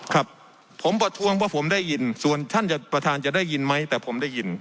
ครับผมประท้วงว่าผมได้ยินส่วนท่านประธานจะได้ยินไหมแต่ผมได้ยิน